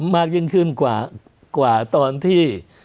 มากยิ่งขึ้นกว่าตอนที่